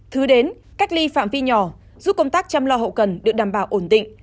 thứ đến cách ly phạm vi nhỏ giúp công tác chăm lo hậu cần được đảm bảo ổn định